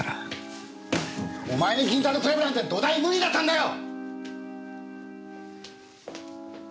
お前に銀座のクラブなんて土台無理だったんだよ！